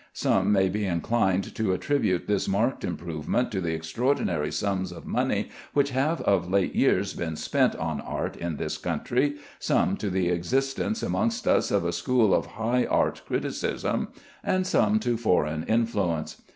Some may be inclined to attribute this marked improvement to the extraordinary sums of money which have of late years been spent on art in this country, some to the existence amongst us of a school of high art criticism, some to foreign influence.